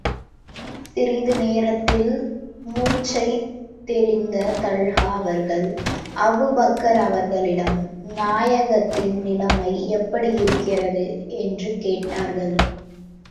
சிறிது நேரத்தில் மூர்ச்சை தெளிந்த தல்ஹா அவர்கள், அபூபக்கர் அவர்களிடம், நாயகத்தின் நிலைமை எப்படி இருக்கிறது? என்று கேட்டார்கள்.